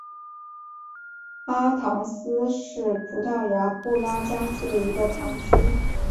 阿唐斯是葡萄牙布拉加区的一个堂区。